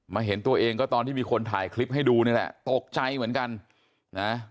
เห็นตัวเองก็ตอนที่มีคนถ่ายคลิปให้ดูนี่แหละตกใจเหมือนกันนะ